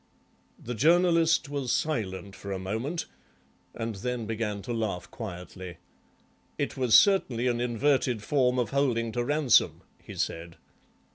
The Journalist was silent for a moment, and them began to laugh quietly. "It was certainly an inverted form of holding to ransom," he said.